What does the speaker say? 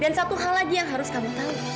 dan satu hal lagi yang harus kamu tahu